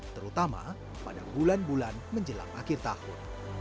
terutama pada bulan bulan menjelang akhir tahun